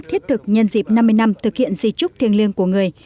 thiết thực nhân dịp năm mươi năm thực hiện di trúc thiêng liêng của người